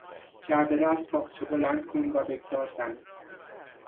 جعبه را از تاقچه بلند کن و بگذار زمین.